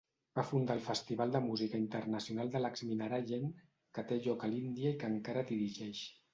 Va fundar el festival de música internacional de Lakshminarayana, que té lloc a l'Índia i que encara dirigeix.